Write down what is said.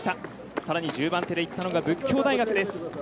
さらに１０番手で行ったのは佛教大学です。